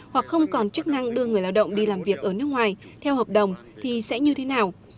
hoặc không còn chức năng đưa người lao động đi làm việc ở nước ngoài theo hợp đồng thì sẽ như thế nào